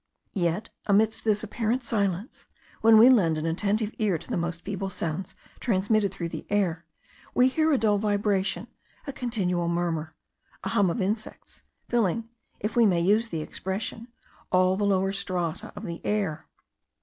Yet, amidst this apparent silence, when we lend an attentive ear to the most feeble sounds transmitted through the air, we hear a dull vibration, a continual murmur, a hum of insects, filling, if we may use the expression, all the lower strata of the air.